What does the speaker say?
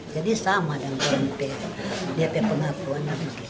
jadi sama dengan dia pengapuan